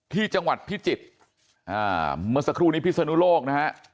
ที่จังหวัดพิจิตรอ่าเมื่อสักครู่นี้พิศนุโลกนะฮะ